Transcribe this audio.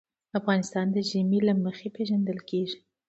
افغانستان د ژمی له مخې پېژندل کېږي.